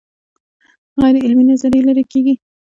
غیر عملي نظریې لرې کیږي.